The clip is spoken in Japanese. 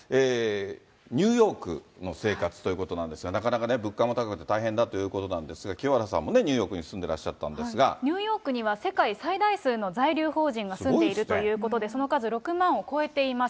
ニューヨークの生活ということなんですが、なかなかね、物価も高くて大変だということなんですが、清原さんもニューヨークに住んでニューヨークには世界最大数の在留邦人が住んでいるということで、その数、６万を超えています。